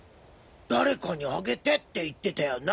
誰かにあげてって言ってたよな？